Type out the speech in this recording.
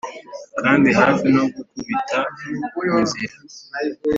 kandi hafi no gukubita inzira.